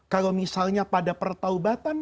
kalau misalnya pada pertaubatan